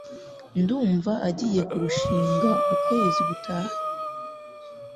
Ndumva agiye kurushinga ukwezi gutaha